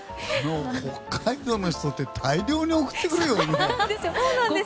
北海道の人って大量に送ってくるよね。